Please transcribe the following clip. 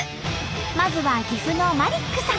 まずは岐阜のマリックさん！